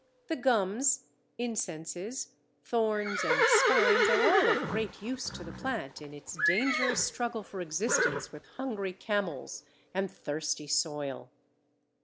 The gums, incenses, thorns, and spines are all of great use to the plant in its dangerous struggle for existence with hungry camels and thirsty soil.